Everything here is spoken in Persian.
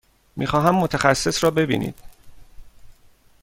می خواهم متخصص را ببینید.